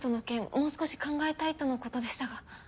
もう少し考えたいとのことでしたが。